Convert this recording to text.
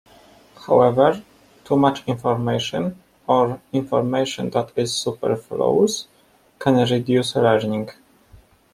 However, too much information, or information that is superfluous, can reduce learning.